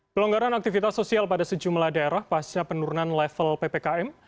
pelonggaran aktivitas sosial pada sejumlah daerah pasca penurunan level ppkm